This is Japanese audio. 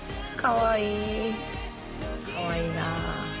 かわいいなあ。